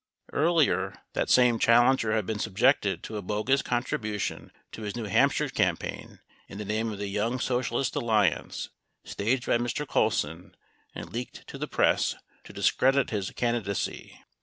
10 Earlier, that same challenger had been subjected to a bogus contribution to his New Hampshire campaign, in the name of the Young Socialist Alli ance, staged by Mr. Colson, and leaked to the press to discredit his candidacy.